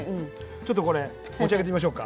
ちょっとこれ持ち上げてみましょうか。